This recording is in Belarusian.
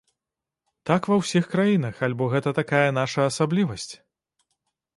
Так ва ўсіх краінах альбо гэта такая наша асаблівасць?